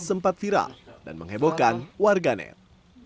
sempat viral dan menghebohkan warganet